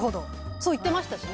そう言ってましたしね。